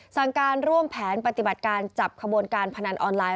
สั่งการร่วมแผนปฏิบัติการจับขบวนการพนันออนไลน